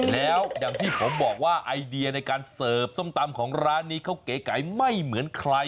แล้วอย่างที่ผมบอกว่าไอเดียในการเสิร์ฟส้มตำของร้านนี้เขาเก๋ไก่ไม่เหมือนใคร